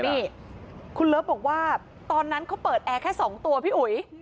นี่คุณเลิฟบอกว่าตอนนั้นเขาเปิดแอร์แค่๒ตัวพี่อุ๋ย